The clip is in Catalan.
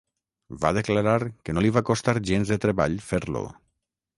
Va declarar que no li va costar gens de treball fer-lo.